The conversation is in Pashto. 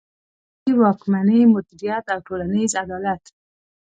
د ملي واکمني مدیریت او ټولنیز عدالت.